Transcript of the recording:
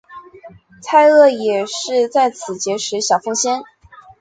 蔡锷也是在此结识小凤仙。